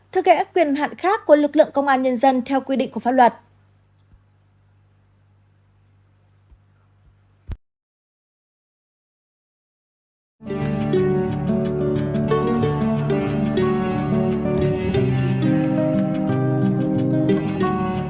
sáu thực hệ quyền hạn khác của lực lượng công an nhân dân theo quy định của pháp luật